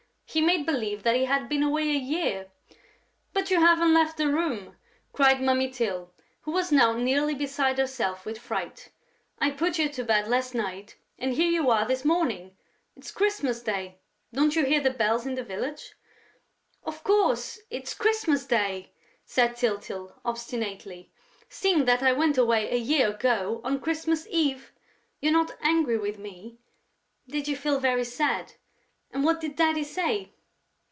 He made believe that he had been away a year!... "But you haven't left the room!" cried Mummy Tyl, who was now nearly beside herself with fright. "I put you to bed last night and here you are this morning! It's Christmas Day: don't you hear the bells in the village?..." "Of course, it's Christmas Day," said Tyltyl, obstinately, "seeing that I went away a year ago, on Christmas Eve!... You're not angry with me?... Did you feel very sad?... And what did Daddy say?..."